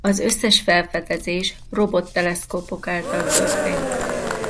Az összes felfedezés robot teleszkópok által történt.